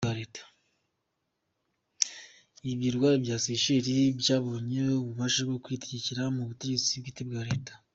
Ibirwa bya Seychelles byabonye ububasha bwo kwitegekera mu butegetsi bwite bwa Leta.